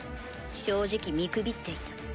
正直見くびっていた。